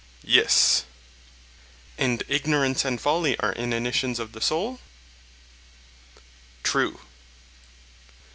Yes. And ignorance and folly are inanitions of the soul? True.